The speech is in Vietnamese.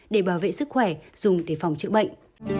để bảo vệ sức khỏe dùng để phòng chữa bệnh